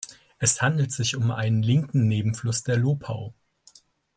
Es handelt sich um einen linken Nebenfluss der Lopau.